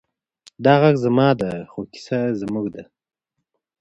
دا غږ زما دی، خو کیسه زموږ ده.